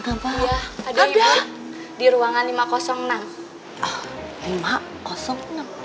kalau ada yang bisa saya bantu maaf